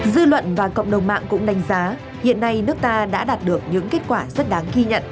dư luận và cộng đồng mạng cũng đánh giá hiện nay nước ta đã đạt được những kết quả rất đáng ghi nhận